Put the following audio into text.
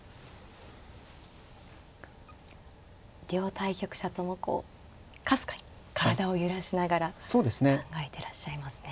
両対局者ともこうかすかに体を揺らしながら考えていらっしゃいますね。